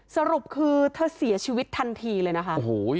สรุปคือเธอเสียชีวิตทันทีเลยนะคะ